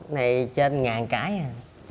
này trên ngàn cái à